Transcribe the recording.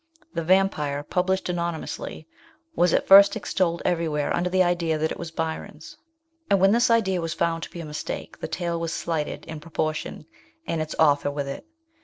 The Vampire, published anonymously, was at first extolled everywhere under the idea that it was Byron's, and when this idea was found to be a mistake the tale was slighted in proportion, and its author with it.